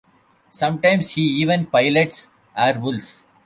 Sometimes he even pilots Airwolf.